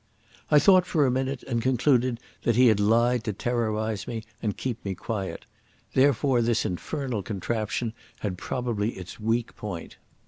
I thought for a minute and concluded that he had lied to terrorise me and keep me quiet; therefore this infernal contraption had probably its weak point.